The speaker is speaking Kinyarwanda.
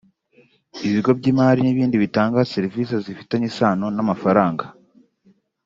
ibigo by’imari n’ibindi bitanga serivisi zifitanye isano n’amafaranga